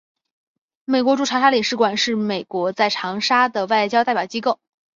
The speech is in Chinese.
美国驻长沙领事馆是美国在长沙的外交代表机构。